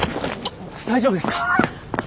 大丈夫ですか！？